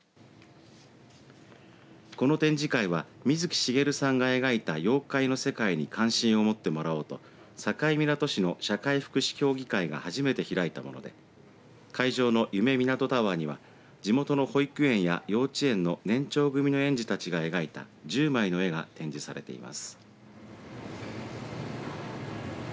この展示会は水木しげるさんが描いた妖怪の世界に関心を持ってもらおうと境港市の社会福祉協議会が初めて開いたもので会場の夢みなとタワーには地元の保育園や幼稚園の年長組の園児たちが描いた１０枚の絵が展示されています。